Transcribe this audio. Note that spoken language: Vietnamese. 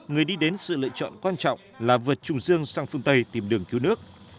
người đi đến sự lựa chọn quan trọng là vượt trùng dương sang phương tây tìm đường cứu nước